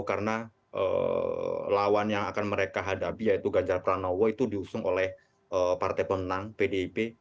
karena lawan yang akan mereka hadapi yaitu ganjar pranowo itu diusung oleh partai pemenang pdip